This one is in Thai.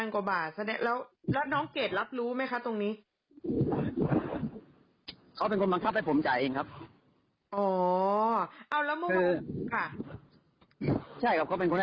คือบางก่อนผ่าจ่าย